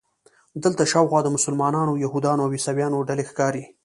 دلته شاوخوا د مسلمانانو، یهودانو او عیسویانو ډلې ښکاري.